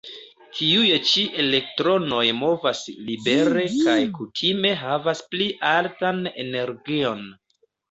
Tiuj ĉi elektronoj movas libere kaj kutime havas pli altan energion.